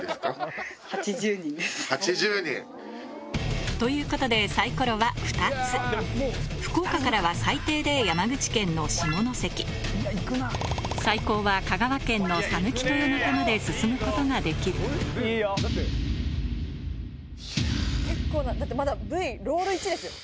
８０人。ということでサイコロは２つ福岡からは最低で山口県の下関最高は香川県のさぬき豊中まで進むことができる結構なだってまだＶＴＲロール１ですよ。